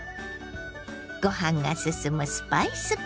ご飯がすすむスパイスカレー。